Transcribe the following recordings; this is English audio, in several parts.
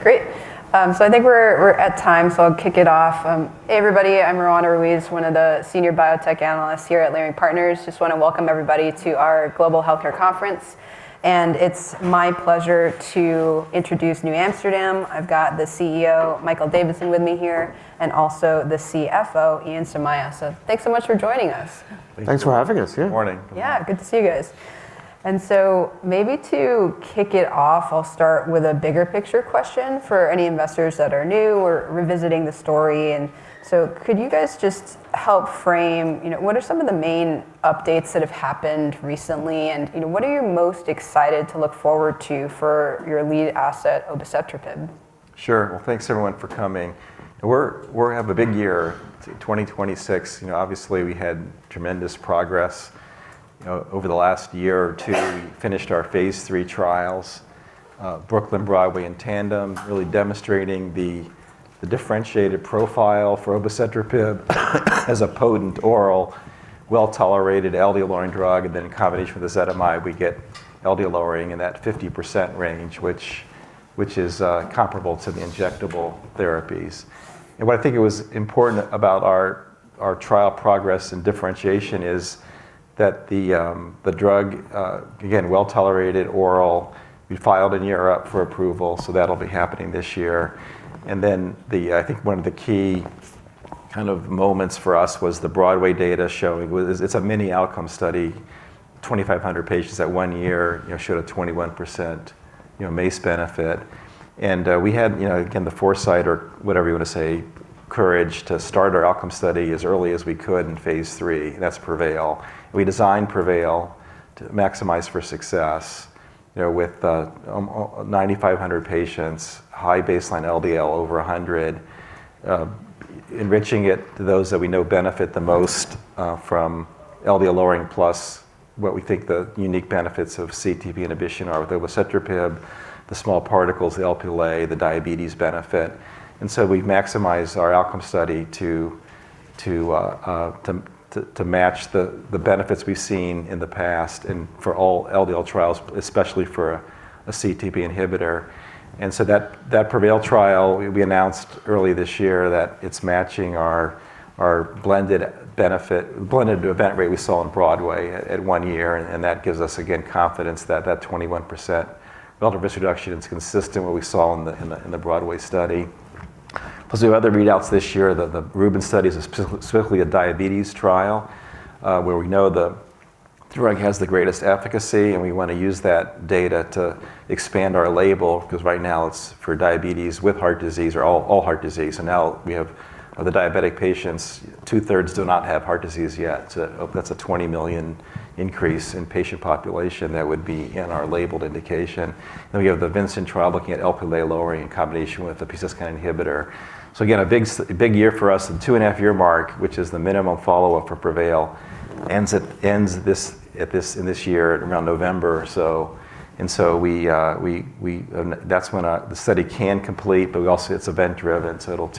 Okay, great. I think we're at time, I'll kick it off. Hey, everybody. I'm Roanna Ruiz, one of the Senior Biotech Analysts here at Leerink Partners. Just wanna welcome everybody to our global healthcare conference, it's my pleasure to introduce NewAmsterdam Pharma. I've got the CEO, Michael Davidson, with me here, also the CFO, Ian Somaiya. Thanks so much for joining us. Thanks for having us. Yeah. Good morning. Yeah. Good to see you guys. Maybe to kick it off, I'll start with a bigger picture question for any investors that are new or revisiting the story. Could you guys just help frame, you know, what are some of the main updates that have happened recently and, you know, what are you most excited to look forward to for your lead asset, obicetrapib? Sure. Well, thanks everyone for coming. We're having a big year, 2026. You know, obviously we had tremendous progress, you know, over the last year or two. We finished our phase III trials, BROOKLYN, BROADWAY, and TANDEM, really demonstrating the differentiated profile for obicetrapib as a potent oral, well-tolerated LDL-lowering drug. In combination with ezetimibe, we get LDL lowering in that 50% range, which is comparable to the injectable therapies. What I think it was important about our trial progress and differentiation is that the drug, again, well-tolerated oral, we filed in Europe for approval, so that'll be happening this year. I think one of the key kind of moments for us was the BROADWAY data showing... It's a mini outcome study, 2,500 patients at one year, you know, showed a 21%, you know, MACE benefit. We had, you know, again, the foresight or whatever you wanna say, courage to start our outcome study as early as we could in phase III, and that's PREVAIL. We designed PREVAIL to maximize for success, you know, with 9,500 patients, high baseline LDL over 100, enriching it to those that we know benefit the most from LDL lowering plus what we think the unique benefits of CETP inhibition are with obicetrapib, the small particles, the Lp(a), the diabetes benefit. We maximize our outcome study to match the benefits we've seen in the past and for all LDL trials, especially for a CETP inhibitor. That PREVAIL trial will be announced early this year that it's matching our blended benefit, blended event rate we saw in BROADWAY at one year, that gives us, again, confidence that that 21% relative risk reduction is consistent with what we saw in the BROADWAY study. We have other readouts this year. The RUBENS study is specifically a diabetes trial, where we know the drug has the greatest efficacy, and we wanna use that data to expand our label, because right now it's for diabetes with heart disease or all heart disease. Now we have the diabetic patients, two-thirds do not have heart disease yet, so that's a $20 million increase in patient population that would be in our labeled indication. We have the VINCENT trial looking at Lp lowering in combination with a PCSK9 inhibitor. Again, a big year for us. The two and a half-year mark, which is the minimum follow-up for PREVAIL, ends this year around November or so. We, that's when the study can complete, but we also it's event driven, so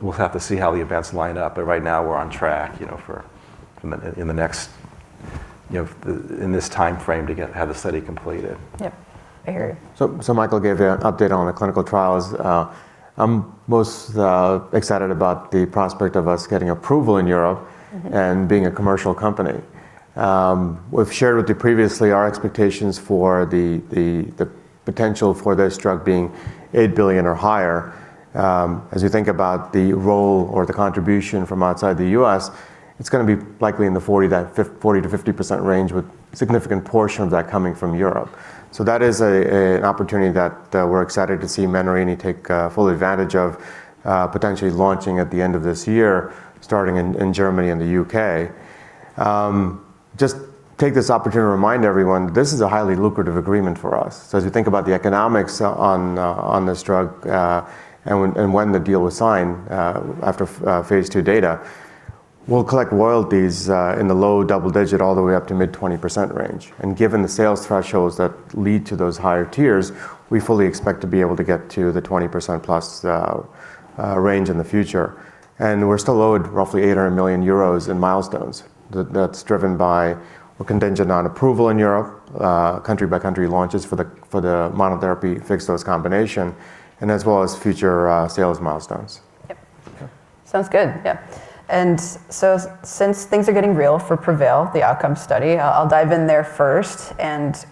We'll have to see how the events line up. Right now we're on track, you know, for in the, in the next, you know, in this timeframe to get, have the study completed. Yep. I hear you. Michael gave an update on the clinical trials. I'm most excited about the prospect of us getting approval in Europe. Mm-hmm... and being a commercial company. We've shared with you previously our expectations for the potential for this drug being $8 billion or higher. As you think about the role or the contribution from outside the U.S., it's gonna be likely in the 40%-50% range with significant portion of that coming from Europe. That is an opportunity that we're excited to see Menarini take full advantage of, potentially launching at the end of this year, starting in Germany and the U.K. Just take this opportunity to remind everyone this is a highly lucrative agreement for us. As you think about the economics on this drug, and when the deal was signed, after phase II data, we'll collect royalties in the low double-digit all the way up to mid-20% range. Given the sales thresholds that lead to those higher tiers, we fully expect to be able to get to the 20%+ range in the future. We're still owed roughly 800 million euros in milestones. That's driven by a contingent on approval in Europe, country by country launches for the monotherapy, fixed-dose combination, and as well as future sales milestones. Yep. Yeah. Sounds good. Yeah. Since things are getting real for PREVAIL, the outcome study, I'll dive in there first.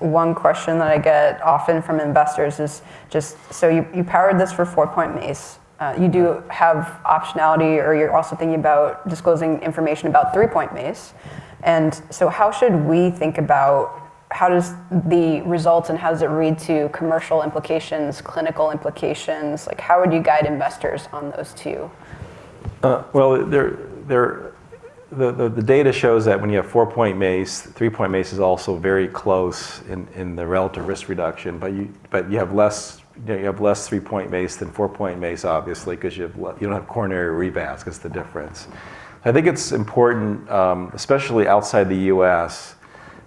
One question that I get often from investors is just, so you powered this for 4-point MACE. you do have optionality or you're also thinking about disclosing information about 3-point MACE. How should we think about how does the results and how does it read to commercial implications, clinical implications? Like, how would you guide investors on those two? Well, there. The data shows that when you have 4-point MACE, 3-point MACE is also very close in the relative risk reduction. You have less, you know, you have less 3-point MACE than 4-point MACE, obviously, 'cause you don't have coronary revasc. That's the difference. I think it's important, especially outside the U.S.,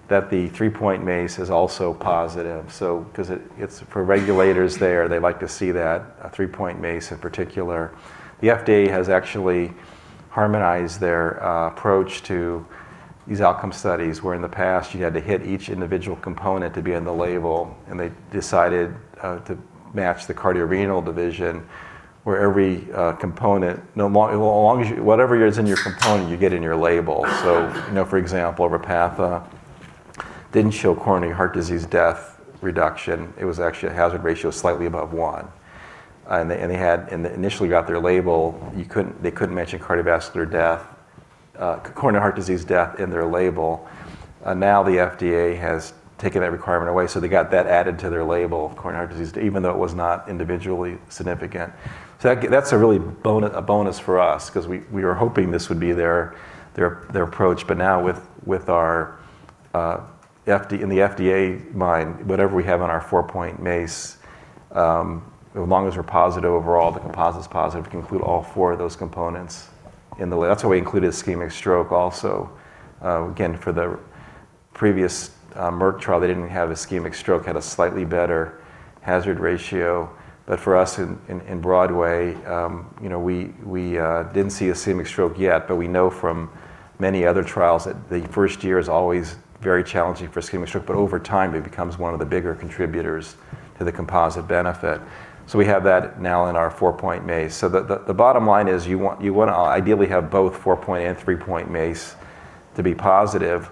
that the 3-point MACE is also positive, 'cause it's for regulators there, they like to see that, a 3-point MACE in particular. The FDA has actually harmonized their approach to these outcome studies where in the past you had to hit each individual component to be on the label, and they decided to match the cardio renal division where every component, whatever is in your component, you get in your label. You know, for example, Repatha didn't show coronary heart disease death reduction. It was actually a hazard ratio slightly above 1. They initially got their label, they couldn't mention cardiovascular death, coronary heart disease death in their label. Now the FDA has taken that requirement away, so they got that added to their label, coronary heart disease, even though it was not individually significant. That's a really a bonus for us 'cause we were hoping this would be their approach. Now with our in the FDA mind, whatever we have on our 4-point MACE, as long as we're positive overall, the composite's positive, we can include all four of those components in the that's why we included ischemic stroke also. Again, for the previous Merck trial, they didn't have ischemic stroke, had a slightly better hazard ratio. For us in BROADWAY, you know, we didn't see ischemic stroke yet, but we know from many other trials that the first year is always very challenging for ischemic stroke. Over time, it becomes one of the bigger contributors to the composite benefit. We have that now in our 4-point MACE. The bottom line is you wanna ideally have both 4-point and 3-point MACE to be positive.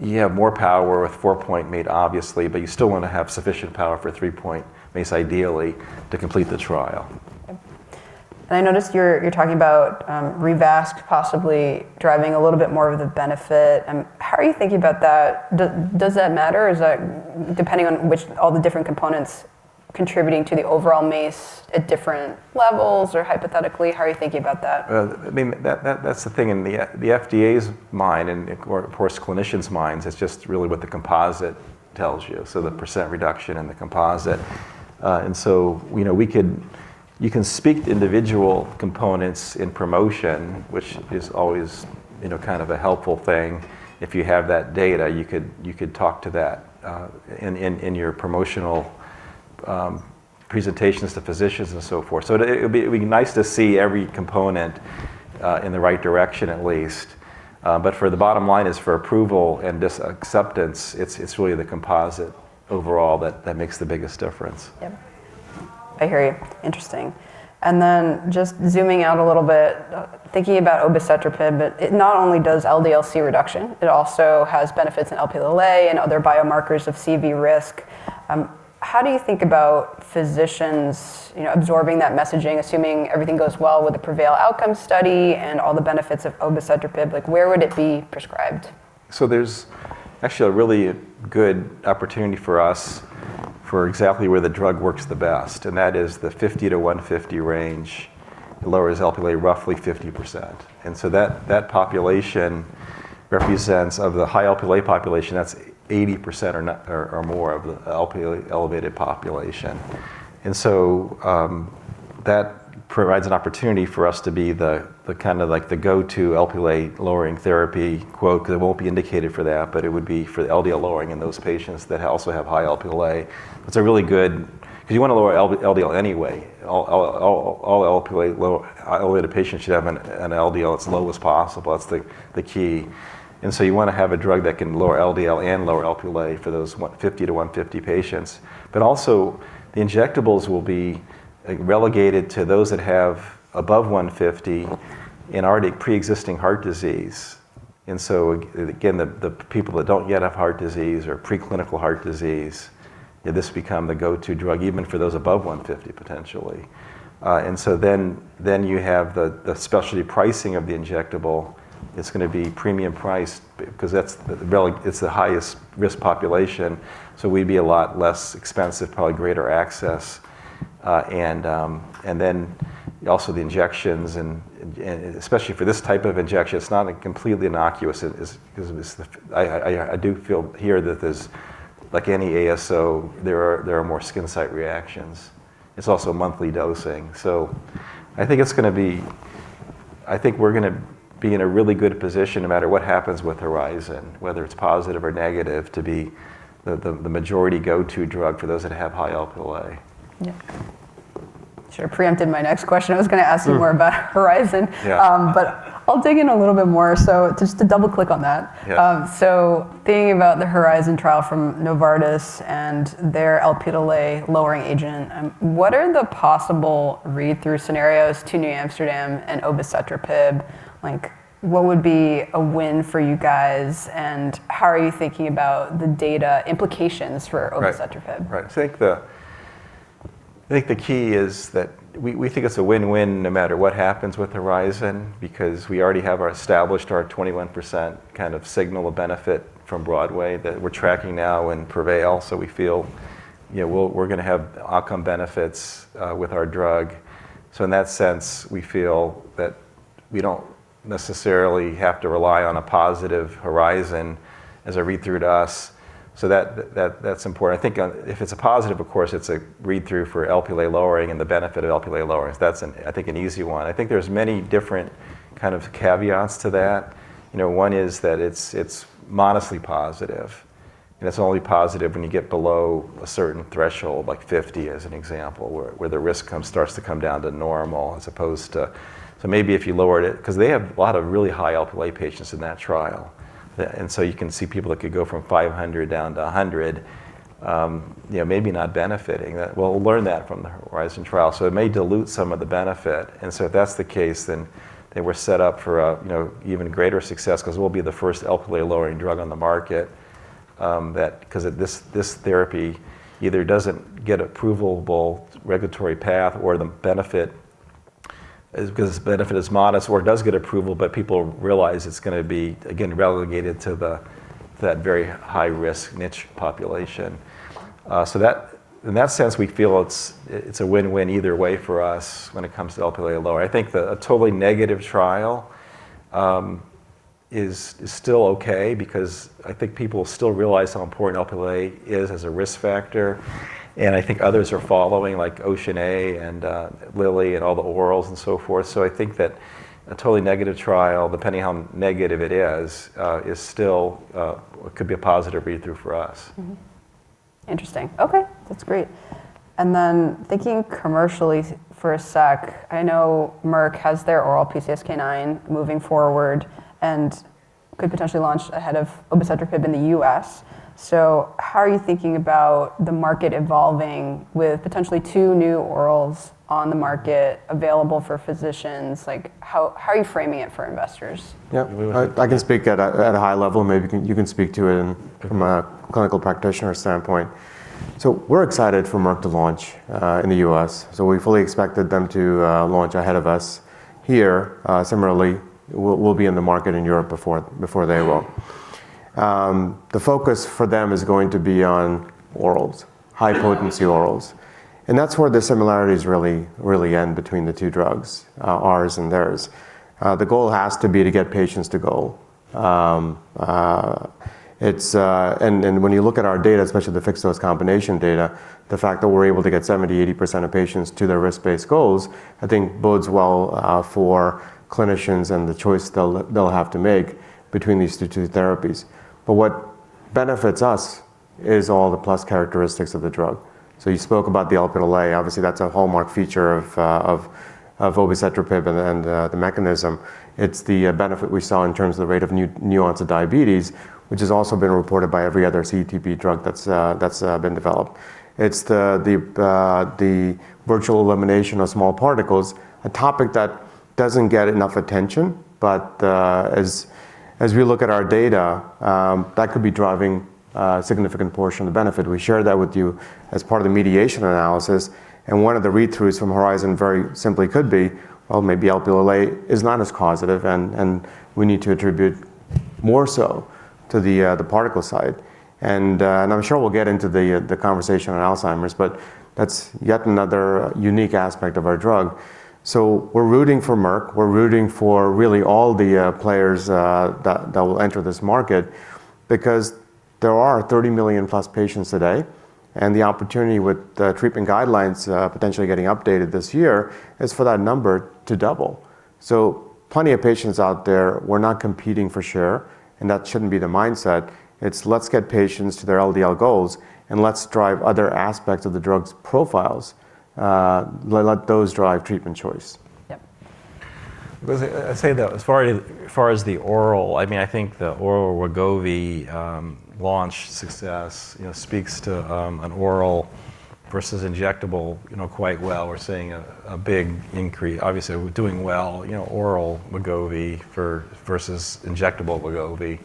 You have more power with 4-point MACE obviously, but you still wanna have sufficient power for 3-point MACE ideally to complete the trial. Okay. I noticed you're talking about revasc possibly driving a little bit more of the benefit. How are you thinking about that? Does that matter? Is that depending on which all the different components contributing to the overall MACE at different levels or hypothetically, how are you thinking about that? Well, I mean, that's the thing. In the FDA's mind and of course, clinicians' minds, it's just really what the composite tells you, so the % reduction in the composite. You know, you can speak to individual components in promotion, which is always, you know, kind of a helpful thing. If you have that data, you could talk to that in your promotional presentations to physicians and so forth. It'd be nice to see every component in the right direction at least. For the bottom line is for approval and just acceptance, it's really the composite overall that makes the biggest difference. Yep. I hear you. Interesting. Just zooming out a little bit, thinking about obicetrapib, it not only does LDL-C reduction, it also has benefits in Lp(a) and other biomarkers of CV risk. How do you think about physicians, you know, absorbing that messaging, assuming everything goes well with the PREVAIL outcome study and all the benefits of obicetrapib? Like, where would it be prescribed? There's actually a really good opportunity for us for exactly where the drug works the best, and that is the 50-150 range. It lowers Lp(a) roughly 50%. That, that population represents... Of the high Lp(a) population, that's 80% or more of the Lp(a) elevated population. That provides an opportunity for us to be the kinda like the go-to Lp(a) lowering therapy, quote, 'cause it won't be indicated for that, but it would be for the LDL lowering in those patients that also have high Lp(a). It's a really good. 'Cause you wanna lower LDL anyway. All Lp(a) low. All the patients should have an LDL as low as possible. That's the key. You wanna have a drug that can lower LDL and lower Lp(a) for those 150 to 150 patients. The injectables will be, like, relegated to those that have above 150 and already pre-existing heart disease. Again, the people that don't yet have heart disease or preclinical heart disease, this become the go-to drug even for those above 150 potentially. You have the specialty pricing of the injectable. It's gonna be premium priced 'cause that's the highest risk population. We'd be a lot less expensive, probably greater access. Also the injections and especially for this type of injection, it's not completely innocuous it is because of this... I do feel here that there's like any ASO, there are more skin site reactions. It's also monthly dosing. I think we're gonna be in a really good position no matter what happens with Horizon, whether it's positive or negative to be the majority go-to drug for those that have high Lp(a). Yeah. You sort of preempted my next question. I was gonna ask you more about HORIZON. Yeah. I'll dig in a little bit more. Just to double-click on that. Yeah. Thinking about the HORIZON trial from Novartis and their Lp(a) lowering agent, what are the possible read-through scenarios to NewAmsterdam Pharma and obicetrapib? What would be a win for you guys, and how are you thinking about the data implications for obicetrapib? Right. Right. I think the, I think the key is that we think it's a win-win no matter what happens with Horizon because we already have our established our 21% kind of signal of benefit from BROADWAY that we're tracking now in PREVAIL. We feel, you know, we're gonna have outcome benefits with our drug. In that sense, we feel that we don't necessarily have to rely on a positive Horizon as a read-through to us. That's important. I think, if it's a positive, of course, it's a read-through for Lp(a) lowering and the benefit of Lp(a) lowering. That's an, I think, an easy one. I think there's many different kind of caveats to that. You know, one is that it's modestly positive. It's only positive when you get below a certain threshold, like 50 as an example, where the risk starts to come down to normal as opposed to. Maybe if you lowered it, because they have a lot of really high Lp patients in that trial. You can see people that could go from 500 down to 100, you know, maybe not benefiting. We'll learn that from the Horizon trial. It may dilute some of the benefit. If that's the case, then they were set up for a, you know, even greater success because we'll be the first Lp lowering drug on the market that. 'cause of this therapy either doesn't get approvable regulatory path or the benefit 'cause its benefit is modest or it does get approval, but people realize it's gonna be, again, relegated to that very high-risk niche population. Mm-hmm. That, in that sense, we feel it's a win-win either way for us when it comes to Lp lower. I think a totally negative trial is still okay because I think people still realize how important Lp is as a risk factor, and I think others are following, like OCEAN(a) and Lilly and all the orals and so forth. I think that a totally negative trial, depending how negative it is still could be a positive read-through for us. Mm-hmm. Interesting. Okay. That's great. Thinking commercially for a sec, I know Merck has their oral PCSK9 moving forward and could potentially launch ahead of obicetrapib in the U.S. How are you thinking about the market evolving with potentially two new orals on the market available for physicians? Like, how are you framing it for investors? Yeah. I can speak at a high level, and maybe you can speak to it in from a clinical practitioner standpoint. We're excited for Merck to launch in the US. We fully expected them to launch ahead of us here. Similarly, we'll be in the market in Europe before they will. The focus for them is going to be on orals, high potency orals. That's where the similarities really end between the two drugs, ours and theirs. The goal has to be to get patients to goal. When you look at our data, especially the fixed-dose combination data, the fact that we're able to get 70%, 80% of patients to their risk-based goals, I think bodes well for clinicians and the choice they'll have to make between these two therapies. What benefits us is all the plus characteristics of the drug. You spoke about the Lp, obviously, that's a hallmark feature of obicetrapib and the mechanism. It's the benefit we saw in terms of the rate of nuance of diabetes, which has also been reported by every other CETP drug that's been developed. It's the virtual elimination of small particles, a topic that doesn't get enough attention. As we look at our data, that could be driving a significant portion of the benefit. We shared that with you as part of the mediation analysis, and one of the read-throughs from Horizon very simply could be, well, maybe Lp is not as causative, and we need to attribute more so to the particle side. And I'm sure we'll get into the conversation on Alzheimer's, but that's yet another unique aspect of our drug. We're rooting for Merck. We're rooting for really all the players that will enter this market because there are 30 million+ patients today, and the opportunity with the treatment guidelines potentially getting updated this year is for that number to double. Plenty of patients out there, we're not competing for sure, and that shouldn't be the mindset. It's let's get patients to their LDL goals and let's drive other aspects of the drugs profiles, let those drive treatment choice. Yep. I say that as far as the oral, I mean, I think the oral Wegovy launch success, you know, speaks to an oral versus injectable, you know, quite well. We're seeing a big increase. Obviously, we're doing well, you know, oral Wegovy versus injectable Wegovy.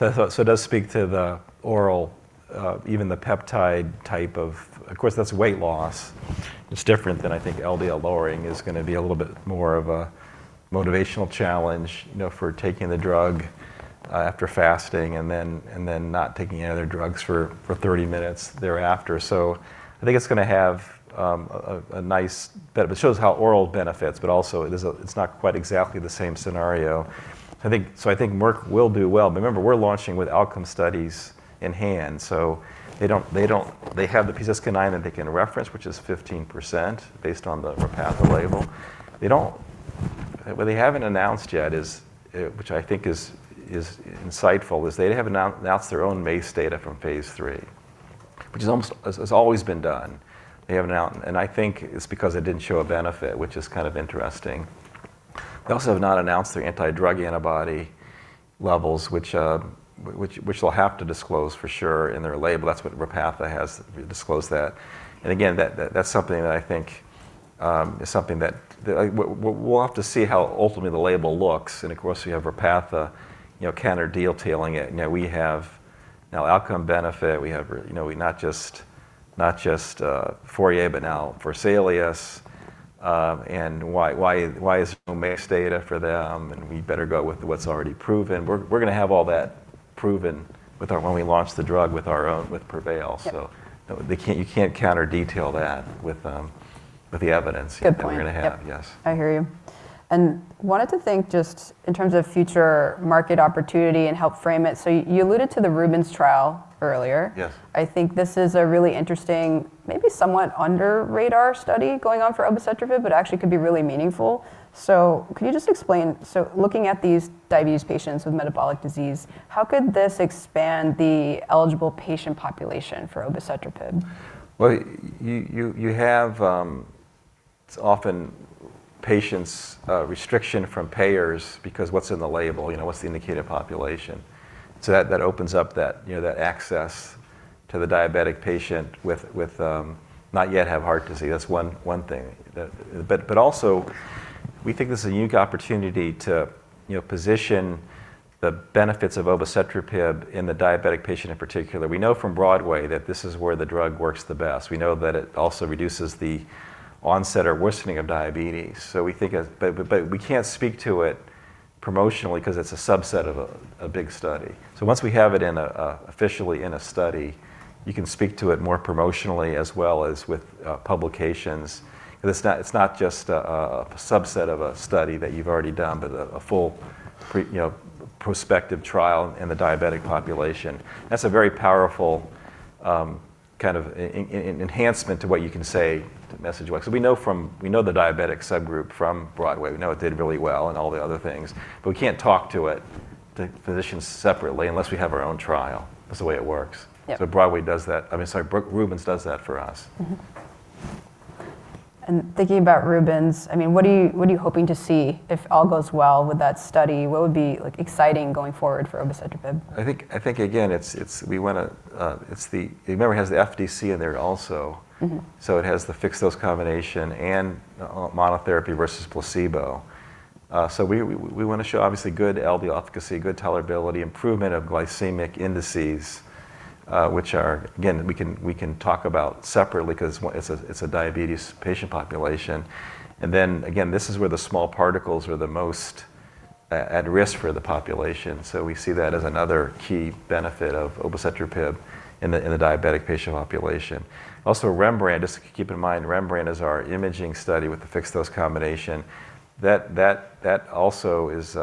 Yeah. It does speak to the oral, even the peptide type of... Of course, that's weight loss. It's different than, I think, LDL lowering is gonna be a little bit more of a motivational challenge, you know, for taking the drug after fasting and then not taking any other drugs for 30 minutes thereafter. I think it's gonna have a nice benefit. It shows how oral benefits, but also it's not quite exactly the same scenario. I think Merck will do well. Remember, we're launching with outcome studies in hand, so they don't... They have the PCSK9 that they can reference, which is 15% based on the Repatha label. What they haven't announced yet is, which I think is insightful, is they haven't announced their own MACE data from phase III, which has always been done. They haven't announced. I think it's because it didn't show a benefit, which is kind of interesting. They also have not announced their anti-drug antibody levels, which they'll have to disclose for sure in their label. That's what Repatha has disclosed that. Again, that's something that I think is something that we'll have to see how ultimately the label looks. Of course, we have Repatha, you know, counter deal tailing it. You know, we have now outcome benefit, we have, you know, not just FOURIER, but now VESALIUS-CV. Why is no MACE data for them, and we better go with what's already proven. We're gonna have all that proven when we launch the drug with our own, with PREVAIL. Yep. They can't, you can't counter detail that with the evidence. Good point.... that we're gonna have. Yep. Yes. I hear you. Wanted to think just in terms of future market opportunity and help frame it. You alluded to the RUBENS trial earlier. Yes. I think this is a really interesting, maybe somewhat under radar study going on for obicetrapib, but actually could be really meaningful. Can you just explain, so looking at these diabetes patients with metabolic disease, how could this expand the eligible patient population for obicetrapib? Well, you have. It's often patients restriction from payers because what's in the label, you know, what's the indicated population? That opens up that, you know, that access to the diabetic patient with not yet have heart disease. That's one thing. Also we think this is a unique opportunity to, you know, position the benefits of obicetrapib in the diabetic patient in particular. We know from BROADWAY that this is where the drug works the best. We know that it also reduces the onset or worsening of diabetes. We think. We can't speak to it promotionally because it's a subset of a big study. Once we have it in a officially in a study, you can speak to it more promotionally as well as with publications, because it's not just a subset of a study that you've already done, but a full pre, you know, prospective trial in the diabetic population. That's a very powerful kind of enhancement to what you can say to message wise. We know the diabetic subgroup from BROADWAY. We know it did really well and all the other things. We can't talk to physicians separately unless we have our own trial. That's the way it works. Yeah. BROADWAY does that. I mean, sorry, RUBENS does that for us. Mm-hmm. Thinking about RUBENS, I mean, what are you hoping to see if all goes well with that study? What would be, like, exciting going forward for obicetrapib? I think again, it's, we wanna. Remember it has the FDC in there also. Mm-hmm. It has the fixed-dose combination and monotherapy versus placebo. We wanna show obviously good LDL efficacy, good tolerability, improvement of glycemic indices, which are again, we can talk about separately because it's a diabetes patient population. Again, this is where the small particles are the most at risk for the population. We see that as another key benefit of obicetrapib in the diabetic patient population. REMBRANDT, just keep in mind, REMBRANDT is our imaging study with the fixed-dose combination. That also is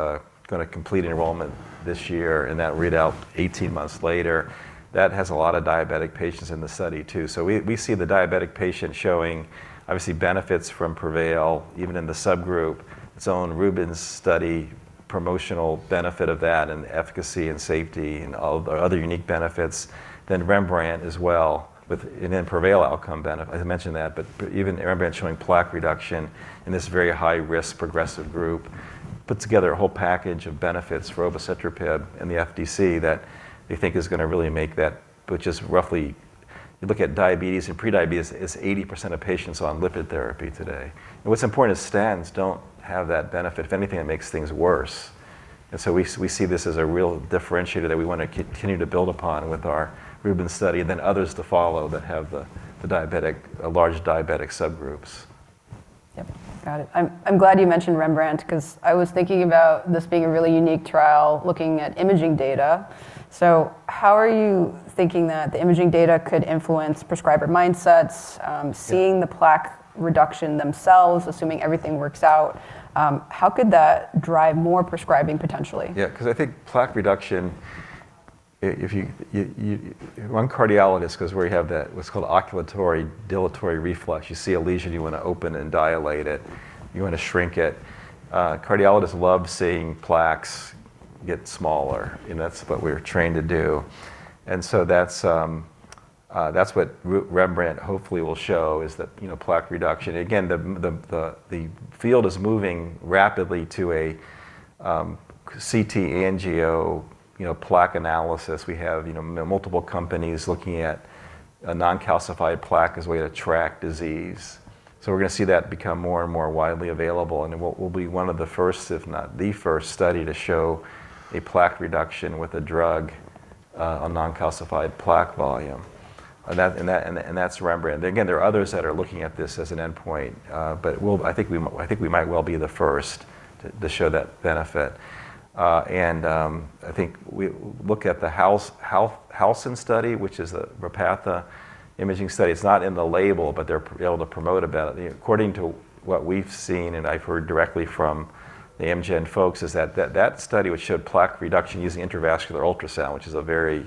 gonna complete enrollment this year, and that read out 18 months later. That has a lot of diabetic patients in the study too. We see the diabetic patient showing obviously benefits from PREVAIL, even in the subgroup, its own RUBENS study, promotional benefit of that and efficacy and safety and all the other unique benefits. REMBRANDT as well. PREVAIL outcome benefit. I mentioned that. Even REMBRANDT showing plaque reduction in this very high risk progressive group, puts together a whole package of benefits for obicetrapib and the FDC that we think is gonna really make that, which is roughly. You look at diabetes and pre-diabetes, it's 80% of patients on lipid therapy today. What's important is statins don't have that benefit. If anything, it makes things worse. We see this as a real differentiator that we wanna continue to build upon with our RUBENS study, and then others to follow that have the diabetic, large diabetic subgroups. Yep. Got it. I'm glad you mentioned Rembrandt because I was thinking about this being a really unique trial looking at imaging data. How are you thinking that the imaging data could influence prescriber mindsets? Yeah... seeing the plaque reduction themselves, assuming everything works out, how could that drive more prescribing potentially? Because I think plaque reduction, if you One cardiologist goes where you have that what's called oculostenotic reflex. You see a lesion, you wanna open and dilate it. You wanna shrink it. Cardiologists love seeing plaques get smaller. You know, that's what we're trained to do. That's what REMBRANDT hopefully will show is that, you know, plaque reduction. The field is moving rapidly to a CT angio, you know, plaque analysis. We have, you know, multiple companies looking at a non-calcified plaque as a way to track disease. We're gonna see that become more and more widely available and what will be one of the first, if not the first study to show a plaque reduction with a drug, a non-calcified plaque volume. That's REMBRANDT. Again, there are others that are looking at this as an endpoint. I think we might well be the first to show that benefit. I think we look at the Halson study, which is a Repatha imaging study. It's not in the label, but they're able to promote about it. According to what we've seen, and I've heard directly from the Amgen folks, is that study, which showed plaque reduction using intravascular ultrasound, which is a very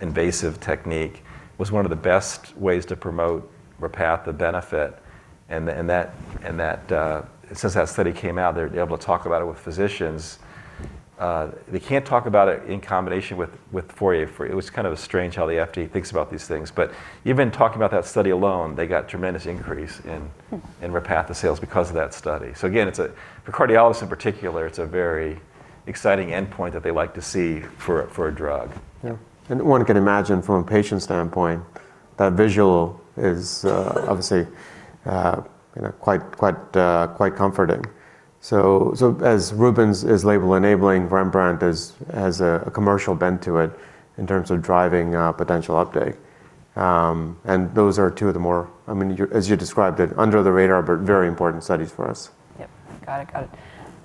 invasive technique, was one of the best ways to promote Repatha benefit. That, since that study came out, they're able to talk about it with physicians. They can't talk about it in combination with FOURIER. It was kind of strange how the FDA thinks about these things. Even talking about that study alone, they got tremendous increase. Hmm.... in Repatha sales because of that study. Again, it's a, for cardiologists in particular, it's a very exciting endpoint that they like to see for a drug. Yeah. One can imagine from a patient standpoint, that visual is obviously, you know, quite, quite comforting. As RUBENS is label enabling, REMBRANDT is, has a commercial bent to it in terms of driving potential uptake. Those are two of the more, I mean, as you described it, under the radar, but very important studies for us. Yep. Got it, got it.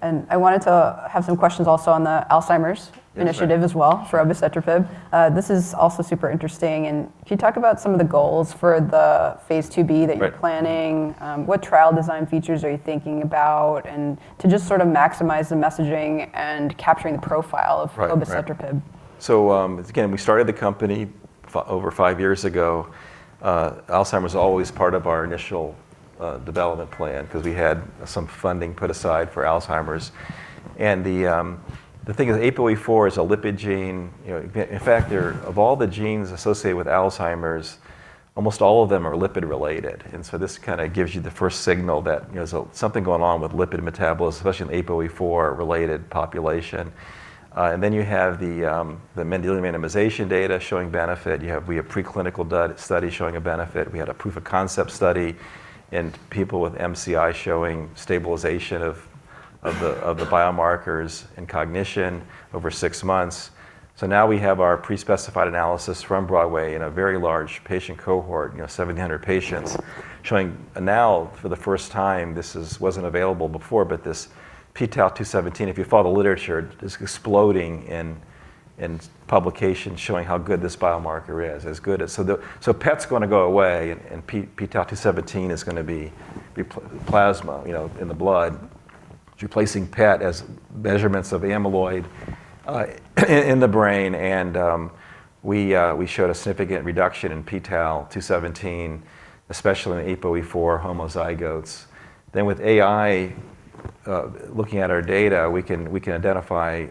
I wanted to have some questions also on the Alzheimer's initiative. Yeah. Sure.... as well for obicetrapib. This is also super interesting. Can you talk about some of the goals for the phase II-B? Right... planning? What trial design features are you thinking about? To just sort of maximize the messaging and capturing the profile of... Right. Right.... obicetrapib. Again, we started the company over five years ago. Alzheimer's was always part of our initial development plan, cause we had some funding put aside for Alzheimer's. The thing is APOE4 is a lipid gene. You know, in fact, of all the genes associated with Alzheimer's, almost all of them are lipid related. This kind of gives you the first signal that, you know, something going on with lipid metabolism, especially in APOE4 related population. You have the Mendelian randomization data showing benefit. We have preclinical studies showing a benefit. We had a proof of concept study in people with MCI showing stabilization of the biomarkers in cognition over six months. Now we have our pre-specified analysis from BROADWAY in a very large patient cohort, you know, 700 patients, showing now for the first time, this wasn't available before, but this p-tau217, if you follow the literature, is exploding in publication showing how good this biomarker is, as good as. The PET's gonna go away and p-tau217 is gonna be plasma, you know, in the blood, replacing PET as measurements of amyloid in the brain. We showed a significant reduction in p-tau217, especially in APOE4 homozygotes. With AI, looking at our data, we can identify,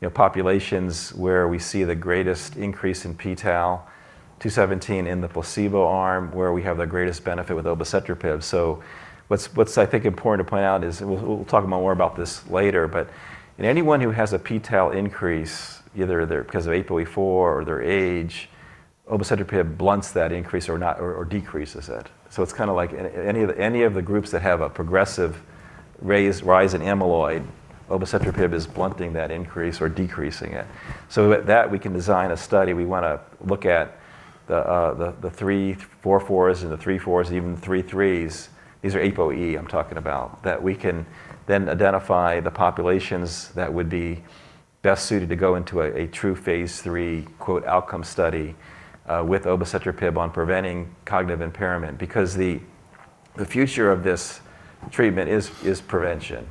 you know, populations where we see the greatest increase in p-tau217 in the placebo arm, where we have the greatest benefit with obicetrapib. What's important to point out is, and we'll talk more about this later, but in anyone who has a p-tau increase, either they're because of APOE4 or their age, obicetrapib blunts that increase or decreases it. It's kind of like any of the groups that have a progressive rise in amyloid, obicetrapib is blunting that increase or decreasing it. With that, we can design a study. We wanna look at the three four fours and the three fours, even three threes. These are APOE I'm talking about. That we can then identify the populations that would be best suited to go into a true phase III quote, outcome study with obicetrapib on preventing cognitive impairment. Because the future of this treatment is prevention.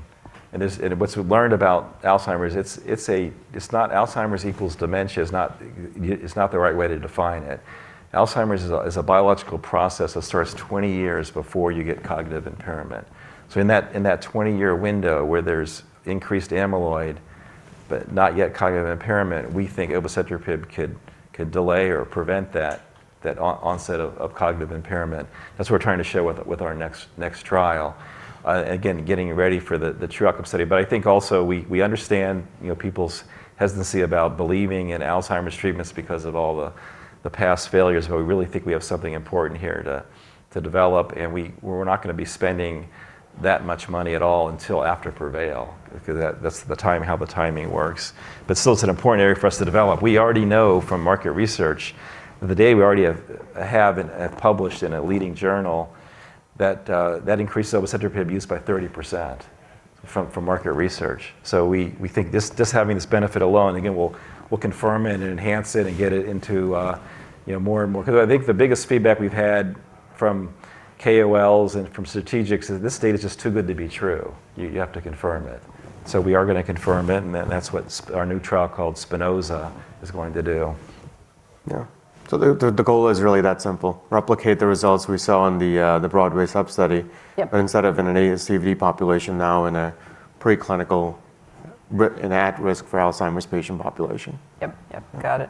And is. What's learned about Alzheimer's, it's not Alzheimer's equals dementia. It's not the right way to define it. Alzheimer's is a biological process that starts 20 years before you get cognitive impairment. In that 20-year window where there's increased amyloid but not yet cognitive impairment, we think obicetrapib could delay or prevent that onset of cognitive impairment. That's what we're trying to show with our next trial. Again, getting ready for the true outcome study. I think also we understand, you know, people's hesitancy about believing in Alzheimer's treatments because of all the past failures, but we really think we have something important here to develop, and we're not gonna be spending that much money at all until after PREVAIL. That's the time, how the timing works. Still it's an important area for us to develop. We already know from market research, the day we already have and have published in a leading journal that increased obicetrapib use by 30% from market research. We think this, just having this benefit alone, again, we'll confirm it and enhance it and get it into, you know, more and more... 'Cause I think the biggest feedback we've had from KOLs and from strategics is this data's just too good to be true. You have to confirm it. We are gonna confirm it, and then that's what's our new trial called SPINOZA is going to do. Yeah. The, the goal is really that simple. Replicate the results we saw in the BROADWAY sub-study. Yep. Instead of in an ASCVD population, now in a preclinical at-risk for Alzheimer's patient population. Yep. Yep. Got it.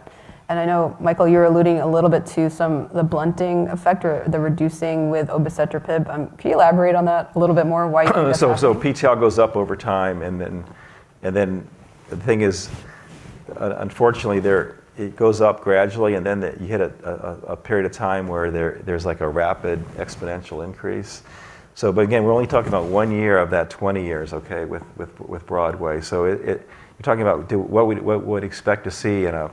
I know, Michael, you're alluding a little bit to some, the blunting effect or the reducing with obicetrapib. Can you elaborate on that a little bit more and why it's? P-tau goes up over time, and then the thing is, unfortunately, there it goes up gradually, and then you hit a period of time where there's like a rapid exponential increase. Again, we're only talking about one year of that 20 years, okay? With BROADWAY. You're talking about do what we'd expect to see in a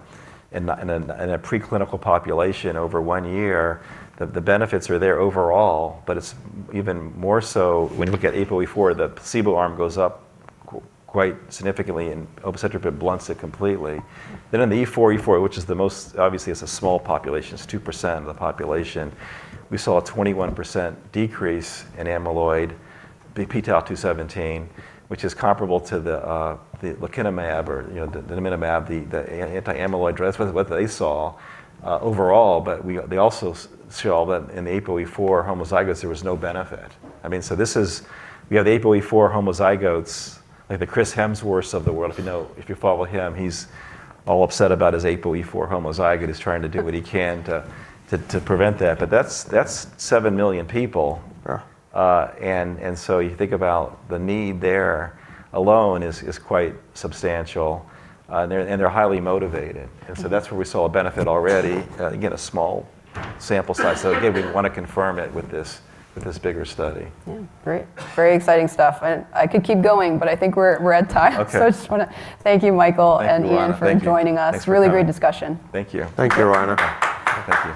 preclinical population over one year, the benefits are there overall, but it's even more so when you look at APOE4, the placebo arm goes up quite significantly, and obicetrapib blunts it completely. In the E4, which is the most, obviously, it's a small population, it's 2% of the population, we saw a 21% decrease in amyloid p-tau217, which is comparable to the lecanemab or, you know, the donanemab, the anti-amyloid drugs, what they saw overall. We, they also saw that in the APOE4 homozygous, there was no benefit. I mean, so this is. We have the APOE4 homozygotes, like the Chris Hemsworth's of the world, if you know, if you follow him, he's all upset about his APOE4 homozygote. He's trying to do what he can to prevent that. That's 7 million people. Yeah. You think about the need there alone is quite substantial. They're, and they're highly motivated. That's where we saw a benefit already. Again, a small sample size. Again, we wanna confirm it with this bigger study. Yeah. Great. Very exciting stuff. I could keep going, but I think we're at time. Okay. I just wanna thank you, Michael and Ian. Thank you, Roanna. Thank you for joining us. Thanks for coming. Really great discussion. Thank you. Thank you, Roanna. Thank you.